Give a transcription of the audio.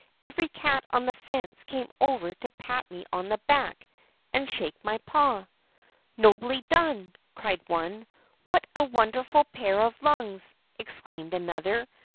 Every cat on the fence came over to pat me on the back and shake my paw. " 'Nobly done!' cried one. " 'What a wonderful pair of lungs!' exclaimed another.